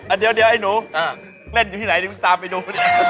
อ่ะเดี๋ยวไอ้หนูเล่นอยู่ที่ไหนตามไปดู